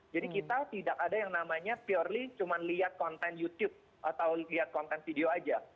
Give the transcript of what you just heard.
jadi kita tidak ada yang namanya purely cuman lihat konten youtube atau lihat konten video aja